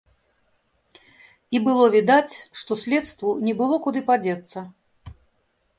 І было відаць, што следству не было куды падзецца.